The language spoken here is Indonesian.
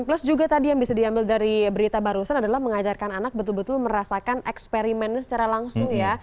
plus juga tadi yang bisa diambil dari berita barusan adalah mengajarkan anak betul betul merasakan eksperimennya secara langsung ya